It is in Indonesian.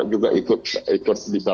juga ikut bisa